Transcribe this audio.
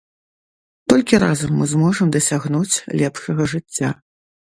Толькі разам мы зможам дасягнуць лепшага жыцця.